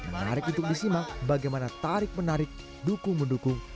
menarik untuk disimak bagaimana tarik menarik dukung mendukung